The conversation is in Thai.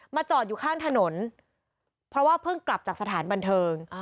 จอดอยู่ข้างถนนเพราะว่าเพิ่งกลับจากสถานบันเทิง